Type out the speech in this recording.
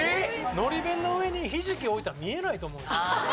のり弁の上にひじき置いたら見えないと思うんですよ。